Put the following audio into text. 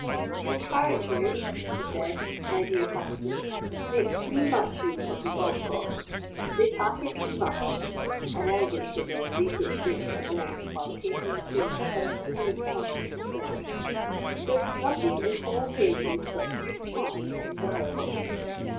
"Your characters," he said, "my dear Pattieson, make too much use of the gob box; they patter too much (an elegant phraseology which Dick had learned while painting the scenes of an itinerant company of players); there is nothing in whole pages but mere chat and dialogue."